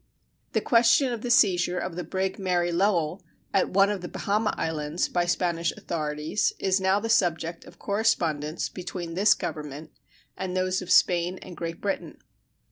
The question of the seizure of the brig Mary Lowell at one of the Bahama Islands by Spanish authorities is now the subject of correspondence between this Government and those of Spain and Great Britain.